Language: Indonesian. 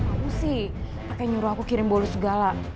aku sih pake nyuruh aku kirim bolu segala